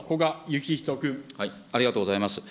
ありがとうございます。